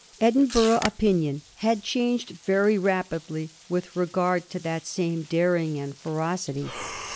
Edinburgh opinion had changed very rapidly with regard to that same daring and ferocity.